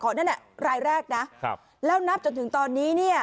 นั่นแหละรายแรกนะแล้วนับจนถึงตอนนี้